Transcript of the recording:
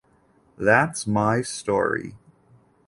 That's my story!